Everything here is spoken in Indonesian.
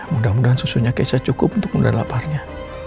mudah mudahan susunya keisha cukup untuk mudah laparnya